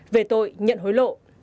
về tội nhận hối lộ